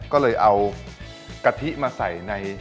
ก็เลยเอากะทิมาใส่ใน